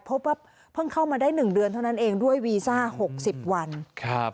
พบว่าเพิ่งเข้ามาได้หนึ่งเดือนเท่านั้นเองด้วยวีซ่าหกสิบวันครับ